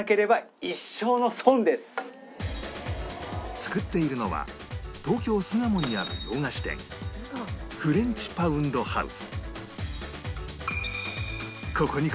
作っているのは東京巣鴨にある洋菓子店フレンチパウンドハウス